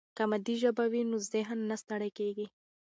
که مادي ژبه وي نو ذهن نه ستړی کېږي.